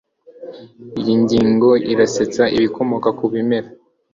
Iyi ngingo irasetsa ibikomoka ku bimera.